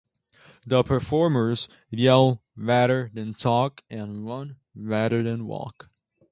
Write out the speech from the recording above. The performers yell rather than talk and run rather than walk.